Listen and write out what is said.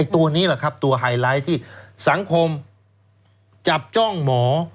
ตัวนี้แหละครับตัวไฮไลท์ที่สังคมจับจ้องหมอ